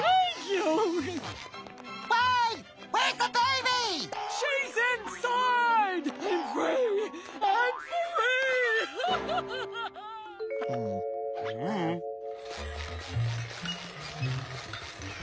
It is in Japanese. うん。